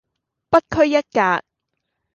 不拘一格